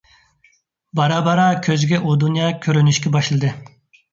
بارا - بارا كۆزىگە ئۇ دۇنيا كۆرۈنۈشكە باشلىدى.